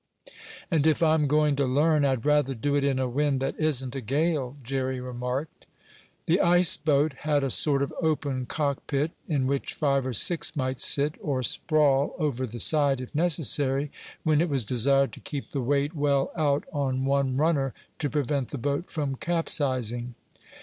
"And if I'm going to learn I'd rather do it in a wind that isn't a gale," Jerry remarked. The ice boat had a sort of open cockpit, in which five or six might sit, or sprawl over the side if necessary, when it was desired to keep the weight well out on one runner, to prevent the boat from capsizing.